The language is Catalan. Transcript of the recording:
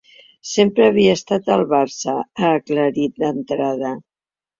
Sempre havia estat del Barça, ha aclarit d’entrada.